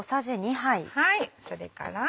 それから。